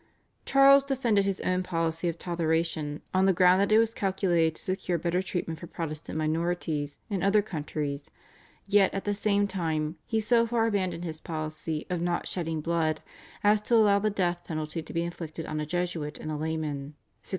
Charles defended his own policy of toleration on the ground that it was calculated to secure better treatment for Protestant minorities in other countries, yet at the same time he so far abandoned his policy of not shedding blood as to allow the death penalty to be inflicted on a Jesuit and a layman (1628).